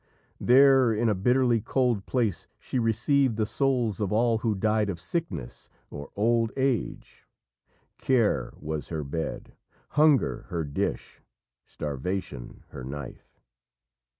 "There, in a bitterly cold place, she received the souls of all who died of sickness or old age; care was her bed, hunger her dish, starvation her knife.